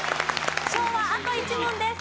昭和あと１問です。